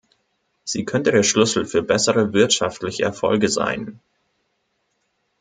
Sie könnte der Schlüssel für bessere wirtschaftliche Erfolge sein.